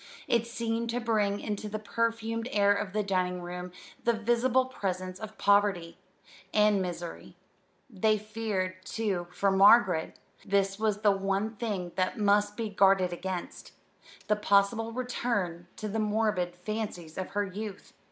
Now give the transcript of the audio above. It seemed to bring into the perfumed air of the dining room the visible presence of poverty and misery. They feared, too, for Margaret: this was the one thing that must be guarded against the possible return to the morbid fancies of her youth.